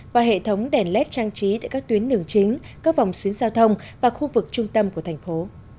và hệ thống đèn led trang trí tại các tuyến đường chính các vòng xuyến giao thông và khu vực trung tâm của thành phố